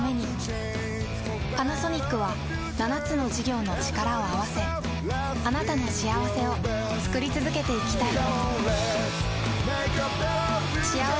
パナソニックは７つの事業のチカラを合わせあなたの幸せを作り続けていきたい。